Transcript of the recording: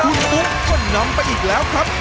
คุณปุ๊กก็นำไปอีกแล้วครับ